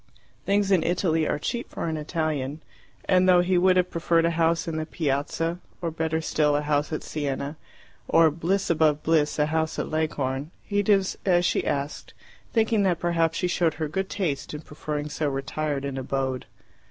Things in Italy are cheap for an Italian, and, though he would have preferred a house in the piazza, or better still a house at Siena, or, bliss above bliss, a house at Leghorn, he did as she asked, thinking that perhaps she showed her good taste in preferring so retired an abode.